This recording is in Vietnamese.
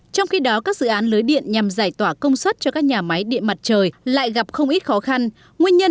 trong khi đó các dự án lưới điện nhằm giải tỏa công suất cho các nhà máy điện mặt trời lại gặp không ít khó khăn